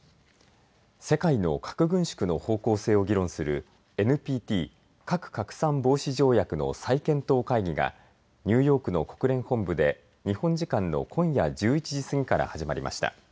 世界の核軍縮の方向性を議論するＮＰＴ、核拡散防止条約の再検討会議がニューヨークの国連本部で日本時間の今夜１１時過ぎから始まりました。